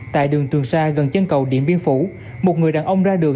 tại đường tuần xa gần chân cầu điện biên phủ một người đàn ông ra đường